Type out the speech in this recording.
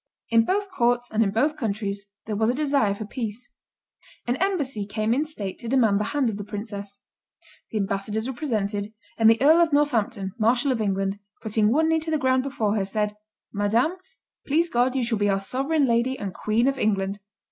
In both courts and in both countries there was a desire for peace. An embassy came in state to demand the hand of the princess. The ambassadors were presented, and the Earl of Northampton, marshal of England, putting one knee to the ground before her, said, "Madame, please God you shall be our sovereign lady and Queen of England."